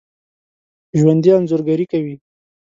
ژوندي انځورګري کوي